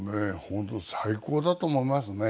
本当最高だと思いますね。